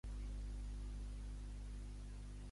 Què venen a la plaça de María Luisa Granero número setanta?